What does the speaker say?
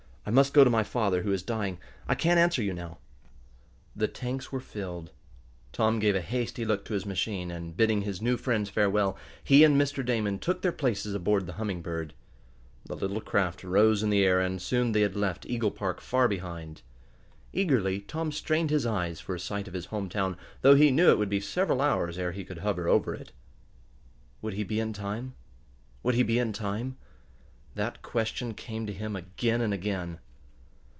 "I must go to my father, who is dying. I can't answer you now." The tanks were filled. Tom gave a hasty look to his machine, and, bidding his new friends farewell, he and Mr. Damon took their places aboard the Humming Bird. The little craft rose in the air, and soon they had left Eagle Park far behind. Eagerly Tom strained his eyes for a sight of his home town, though he knew it would be several hours ere he could hover over it. Would he be in time? Would he be in time? That question came to him again and again.